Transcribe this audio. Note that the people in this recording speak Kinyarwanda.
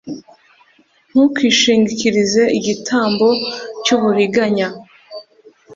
ntukishingikirize igitambo cy’uburiganya.